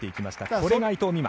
これが伊藤美誠。